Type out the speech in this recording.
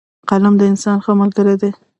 قلم د انسان ښه ملګری دی